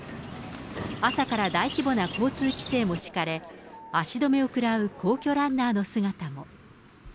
朝から大規模な交通規制も敷かれ、足止めを食らう皇居ランナーの姿も。